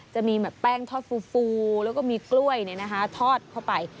จะมีแบบแป้งทอดฟูแล้วก็มีกล้วยทอดเข้าไป